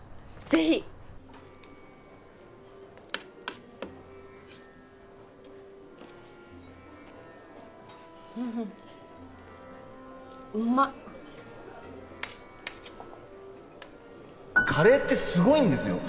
ぜひフフッうまっカレーってすごいんですよ